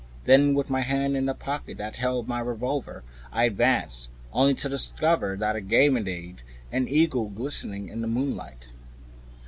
Then, with my hand in the pocket that held the revolver, I advanced, only to discover a Ganymede and Eagle, glistening in the moonlight.